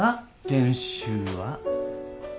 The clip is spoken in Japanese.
研修は。